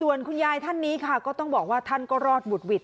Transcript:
ส่วนคุณยายท่านนี้ค่ะก็ต้องบอกว่าท่านก็รอดบุดหวิด